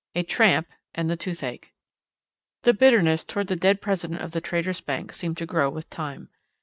A TRAMP AND THE TOOTHACHE The bitterness toward the dead president of the Traders' Bank seemed to grow with time.